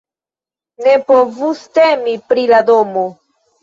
Ne povus temi pri la domo.